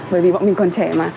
bởi vì bọn mình còn trẻ